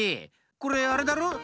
これあれだろ？